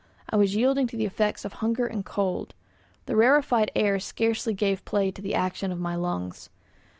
I was yielding to the effects of hunger and cold. The rarefied air scarcely gave play to the action of my lungs.